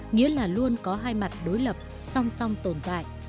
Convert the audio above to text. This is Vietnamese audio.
nghĩa là luôn có hai mặt đối lập song song tồn tại